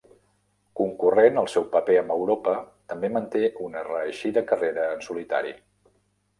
Concurrent al seu paper amb Europa, també manté una reeixida carrera en solitari.